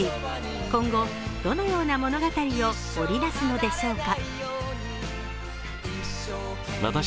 今後、どのような物語を織りなすのでしょうか。